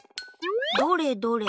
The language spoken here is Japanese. どれどれ？